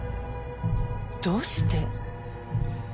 どうして？